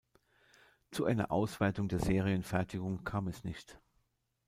Zu einer Ausweitung der Serienfertigung kam es nicht.